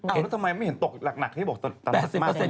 อ้าวแล้วทำไมไม่เห็นตกหนักที่บอกตันหนักมาก